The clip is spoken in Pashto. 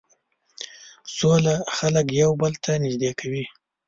سوله خلک یو بل ته نژدې کوي.